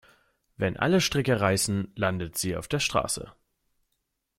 Wenn alle Stricke reißen, landet sie auf der Straße.